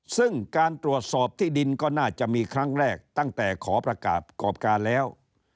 ซึ่งการตรวจสอบที่ดินก็น่าจะมีครั้งแรกตั้งแต่ขอประกาศกรอบการแล้ว